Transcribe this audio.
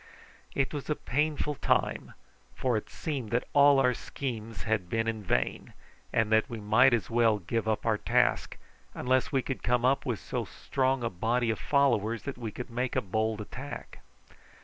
It was a painful time, for it seemed that all our schemes had been in vain, and that we might as well give up our task, unless we could come with so strong a body of followers that we could make a bold attack.